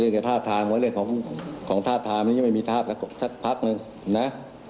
เรื่องทาบไทม์เรื่องของทาบไทม์นี้ยังไม่มีทาบแล้วก็ชัดพักนึงนะ